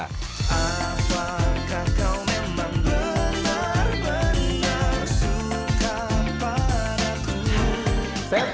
run merupakan lagu yang terkenal di indonesia